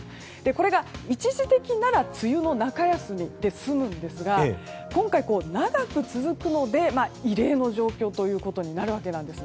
これが一時的なら梅雨の中休みで済むんですが今回、長く続くので異例の状況ということになるわけなんです。